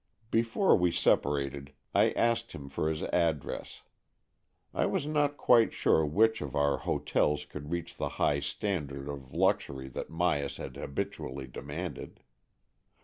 Before we separated, I asked him for his address. I was not quite sure which of our hotels could reach the high standard of luxury that Myas had habitually demanded.